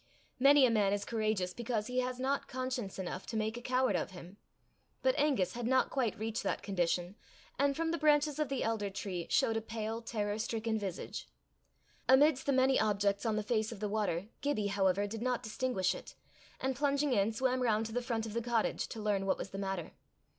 Many a man is courageous because he has not conscience enough to make a coward of him, but Angus had not quite reached that condition, and from the branches of the elder tree showed a pale, terror stricken visage. Amidst the many objects on the face of the water, Gibbie, however, did not distinguish it, and plunging in swam round to the front of the cottage to learn what was the matter.